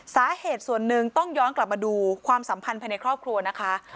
สาเหตุส่วนหนึ่งต้องย้อนกลับมาดูความสัมพันธ์ภายในครอบครัวนะคะ